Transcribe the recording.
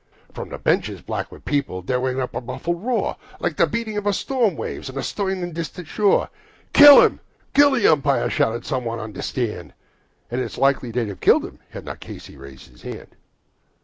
From the benches, black with people, there arose a muffled roar, Like the beating of the storm waves on some stern and distant shore. "Kill him! Kill the umpire!" shouted someone in the stand, And it's likely they'd have killed him had not Casey raised his hand.